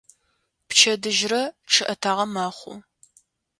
Пчэдыжьрэ чъыӀэтагъэ мэхъу.